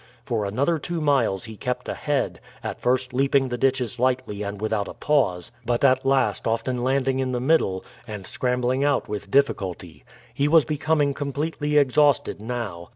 For another two miles he still kept ahead, at first leaping the ditches lightly and without a pause, but at last often landing in the middle, and scrambling out with difficulty. He was becoming completely exhausted now.